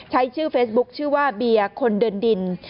ใช้ชื่อเฟซบุ๊คชื่อว่าเบียร์คนเดินดิน